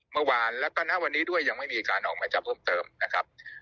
เมื่อวานแล้วก็ณวันนี้ด้วยยังไม่มีการออกหมายจับเพิ่มเติมนะครับ